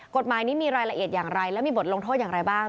กฎหมายนี้มีรายละเอียดอย่างไรและมีบทลงโทษอย่างไรบ้าง